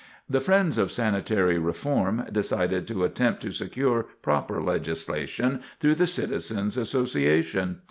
The friends of sanitary reform decided to attempt to secure proper legislation through the Citizens Association.